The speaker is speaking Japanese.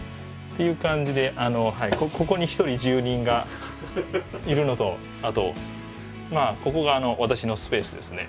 という感じであのはいここに１人住人がいるのとあとまあここが私のスペースですね。